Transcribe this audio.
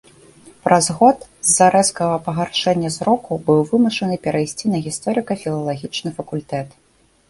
Праз год з-за рэзкага пагаршэння зроку быў вымушаны перайсці на гісторыка-філалагічны факультэт.